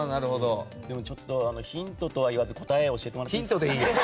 ちょっと、ヒントとは言わず答え教えてもらっていいですか。